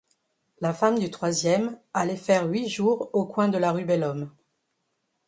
La femme du troisième allait faire huit jours au coin de la rue Belhomme.